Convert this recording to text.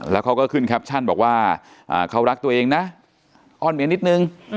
แล้วเขาก็ขึ้นแคปชั่นบอกว่าเขารักตัวเองนะอ้อนเมียนิดนึง